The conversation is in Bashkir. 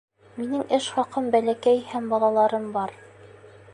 Минең эш хаҡым бәләкәй һәм балаларым бар.